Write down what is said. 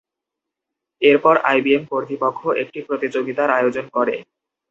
এরপর আইবিএম কর্তৃপক্ষ একটি প্রতিযোগিতার আয়োজন করে।